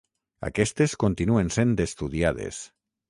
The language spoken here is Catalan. Aquestes continuen sent estudiades.